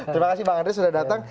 terima kasih bang andre sudah datang